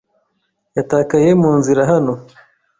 Yatakaye mu nzira hano.